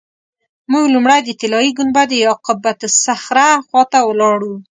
موږ لومړی د طلایي ګنبدې یا قبة الصخره خوا ته ولاړو.